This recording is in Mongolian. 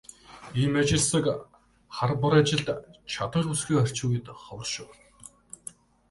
Ийм ажилсаг, хар бор ажилд чаданги бүсгүй орчин үед ховор шүү.